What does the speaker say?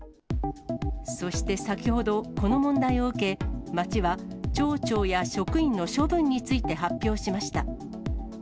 そして先ほど、この問題を受け、町は町長や職員の処分について発表しました。